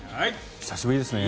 久しぶりですね。